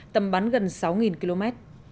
tầm bắn gần sáu km